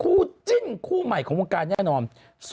คู่จิ้นคู่ใหม่ของวงการแน่นอน